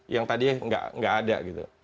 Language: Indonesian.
yang tadi nggak ada gitu